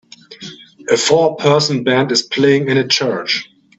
A four person band is playing in a church.